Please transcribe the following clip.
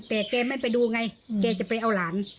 แต่แกไม่ไปดูไงแกจะไปเอาหลาน